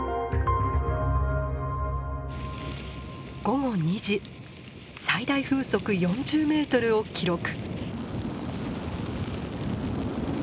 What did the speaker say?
午後２時最大風速４０ｍを記録。